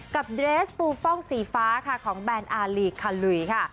เดรสปูฟ่องสีฟ้าค่ะของแบรนดอารีคาลุยค่ะ